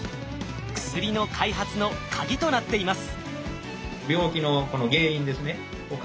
薬の開発のカギとなっています。